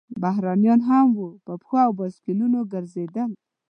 بهرنیان هم وو، په پښو او بایسکلونو ګرځېدل.